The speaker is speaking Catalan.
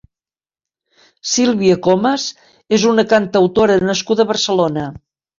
Sílvia Comes és una cantautora nascuda a Barcelona.